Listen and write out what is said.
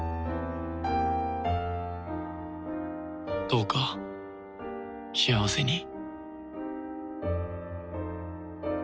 どうか幸せに